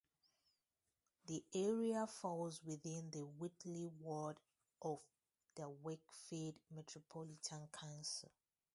The area falls within the Whitley Ward of the Wakefield Metropolitan Council.